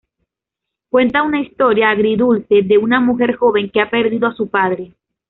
Cuenta una historia agridulce de una mujer joven que ha perdido a su padre.